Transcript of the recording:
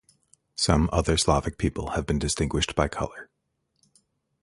Some other Slavic people have been distinguished by colour.